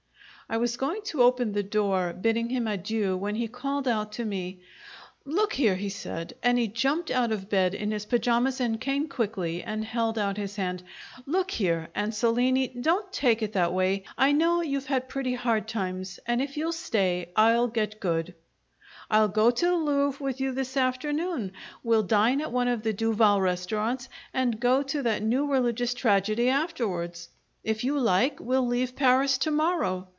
I was going to open the door, bidding him adieu, when he called out to me. "Look here!" he said, and he jumped out of bed in his pajamas and came quickly, and held out his hand. "Look here, Ansolini, don't take it that way. I know you've had pretty hard times, and if you'll stay, I'll get good. I'll go to the Louvre with you this afternoon; we'll dine at one of the Duval restaurants, and go to that new religious tragedy afterwards. If you like, we'll leave Paris to morrow.